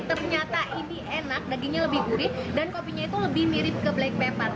ternyata ini enak dagingnya lebih gurih dan kopinya itu lebih mirip ke black pepper